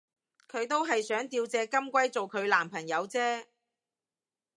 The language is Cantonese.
佢都係想吊隻金龜做佢男朋友啫